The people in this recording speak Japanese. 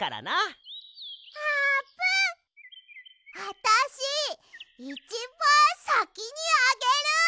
あたしいちばんさきにあげる！